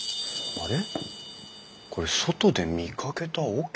あれ？